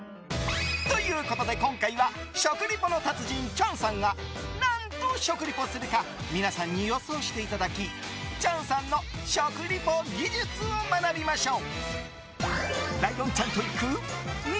ということで今回は食リポの達人、チャンさんが何と食リポするか皆さんに予想していただきチャンさんの食リポ技術を学びましょう。